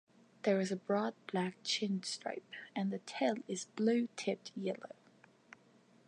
There is a broad black chin stripe and the tail is blue tipped yellow.